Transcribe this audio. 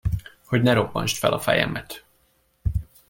Hogy ne robbantsd fel a fejemet!